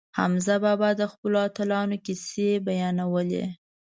حمزه بابا د خپلو اتلانو کیسې بیانولې.